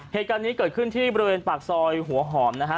เหตุการณ์นี้เกิดขึ้นที่บริเวณปากซอยหัวหอมนะฮะ